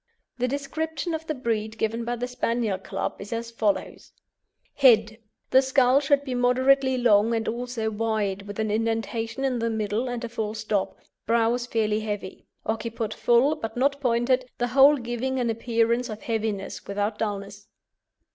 The description of the breed given by the Spaniel Club is as follows: HEAD The skull should be moderately long, and also wide, with an indentation in the middle, and a full stop, brows fairly heavy; occiput full, but not pointed, the whole giving an appearance of heaviness without dulness.